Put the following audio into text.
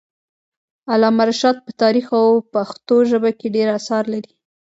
علامه رشاد په تاریخ او پښتو ژبه کي ډير اثار لري.